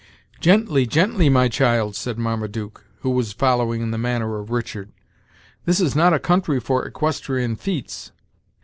"Gently, gently, my child," said Marmaduke, who was following in the manner of Richard; "this is not a country for equestrian feats.